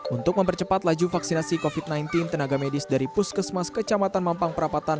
untuk mempercepat laju vaksinasi covid sembilan belas tenaga medis dari puskesmas kecamatan mampang perapatan